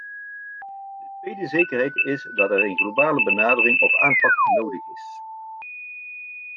De tweede zekerheid is dat er een globale benadering of aanpak nodig is .